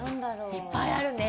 いっぱいあるね。